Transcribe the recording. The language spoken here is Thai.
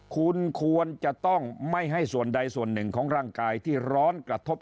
คุณควรจะต้องไม่ให้ส่วนใดส่วนหนึ่งของร่างกายที่ร้อนกระทบ